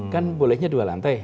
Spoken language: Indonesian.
kan bolehnya dua lantai